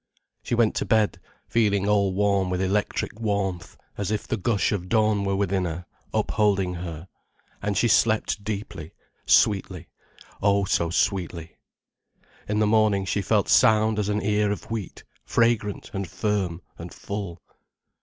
She went to bed feeling all warm with electric warmth, as if the gush of dawn were within her, upholding her. And she slept deeply, sweetly, oh, so sweetly. In the morning she felt sound as an ear of wheat, fragrant and firm and full.